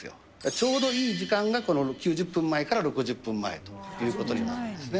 ちょうどいい時間が、この９０分前から６０分前ということになるんですね。